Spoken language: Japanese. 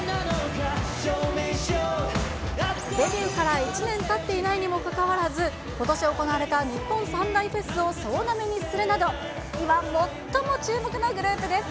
デビューから１年たっていないにもかかわらず、ことし行われた日本３大フェスを総なめにするなど、今最も注目のグループです。